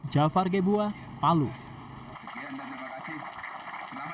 jalur kepolisian republik indonesia jenderal balrodin haiti